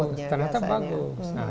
bagus ternak terna bagus